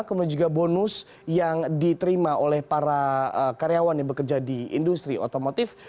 kemudian juga bonus yang diterima oleh para karyawan yang bekerja di industri otomotif